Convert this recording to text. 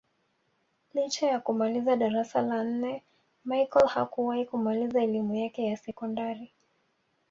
Licha ya kumaliza darasa la nne Machel hakuwahi kumaliza elimu yake ya sekondari